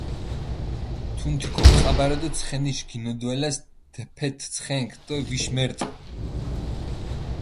თუნთი გოპტყაბარე დო ცხენიშ გინოდვალას დეფეთჷ ცხენქ დო ვიშ მერტჷ.